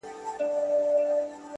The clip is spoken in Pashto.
بحثونه بيا تازه کيږي ناڅاپه ډېر،